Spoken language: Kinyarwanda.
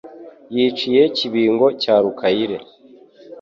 yiciye Kibingo cya Rukayire